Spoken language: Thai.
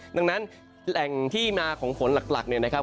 ดังนั้นแหล่งที่มาของฝนหลักเนี่ยนะครับ